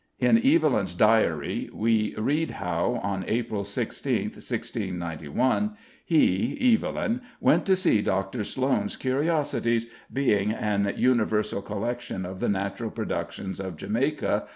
In Evelyn's Diary we read how, on April 16th, 1691, he (Evelyn) "went to see Dr. Sloane's curiosities, being an universal collection of the natural productions of Jamaica," &c.